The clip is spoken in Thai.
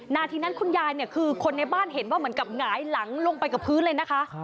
นาทีนั้นคุณยายเนี่ยคือคนในบ้านเห็นว่าเหมือนกับหงายหลังลงไปกับพื้นเลยนะคะ